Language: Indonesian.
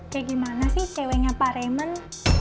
kayak gimana sih ceweknya pak raymond